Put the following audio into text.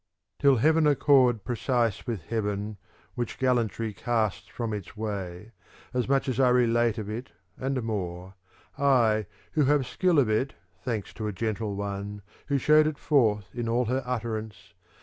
Till heaven accord precise with heaven which gallantry casts from its way^ (as much as I relate of it, and more), I, who have skill of it thanks to a gentle one who showed it forth in all her utterance.